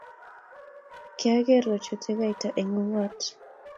kiager kochute kaita eng ungot.